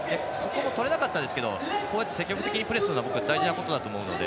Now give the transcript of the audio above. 取れなかったですけど積極的にプレーするのは大事なことだと思うので。